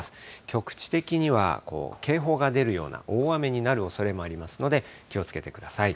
局地的には警報が出るような大雨になるおそれもありますので、気をつけてください。